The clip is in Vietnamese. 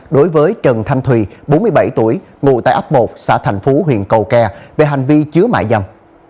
đối với trần thanh thùy bốn mươi bảy tuổi ngụ tại ấp một xã thành phú huyện cầu kè về hành vi chứa mại dâm